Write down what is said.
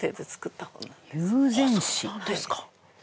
そうなんですか！